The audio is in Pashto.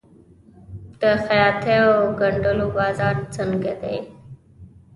د خیاطۍ او ګنډلو بازار څنګه دی؟